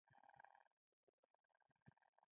آیا خصوصي شبکې مالیه ورکوي؟